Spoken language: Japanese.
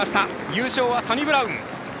優勝はサニブラウン。